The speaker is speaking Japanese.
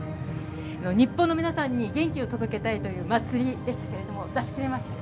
日本のみなさんに元気を届けたいという演技でしたけれど、出し切れましたか？